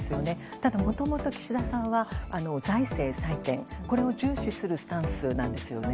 ただ、もともと岸田さんは財政再建これを重視するスタンスなんですよね。